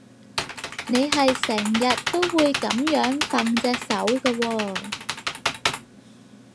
你係成日都會噉樣揈隻手㗎喎